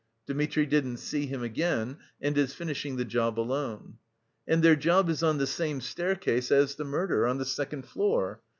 Dmitri didn't see him again and is finishing the job alone. And their job is on the same staircase as the murder, on the second floor.